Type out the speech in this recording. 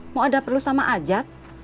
mau ada perlu sama ajat